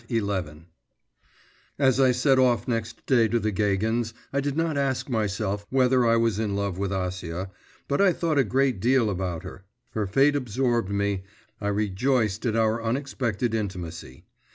XI As I set off next day to the Gagins, I did not ask myself whether I was in love with Acia, but I thought a great deal about her, her fate absorbed me, I rejoiced at our unexpected intimacy.